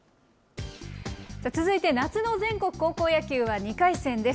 続いて夏の全国高校野球は２回戦です。